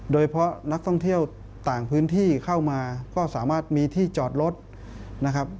โดยเพราะนักท่องเที่ยวต่างพื้นที่เข้ามาก็สามารถมีที่จอดรถนะครับ